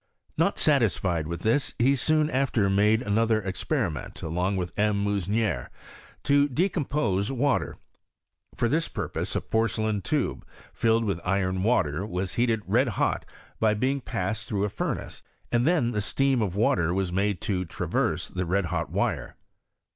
Not satisfied with this, he soon after made another experiment along with M. Meusnier to decompose water. For this purpose a porcelain tube, fiLed with iron wire, was heated red hot by being passed through a furnace, and then the steam of water was made to traverse the red hot wire.